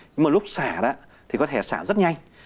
nhưng mà lúc xả đó thì có thể xả rất nhanh